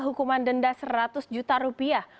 hukuman denda seratus juta rupiah